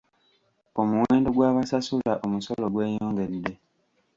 Omuwendo gw'abasasula omusolo gweyongedde.